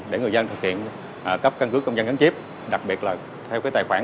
để người dân thực hiện cấp căn cứ công dân gắn chip đặc biệt là theo tài khoản